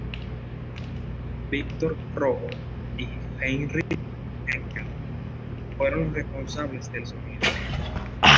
Víctor Rojo y Heinrich Henkel fueron los responsables del sonido.